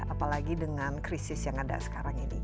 apalagi dengan krisis yang ada sekarang ini